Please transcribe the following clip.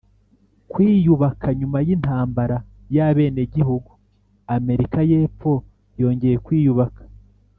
kwiyubaka: nyuma yintambara yabenegihugu, amerika yepfo yongeye kwiyubaka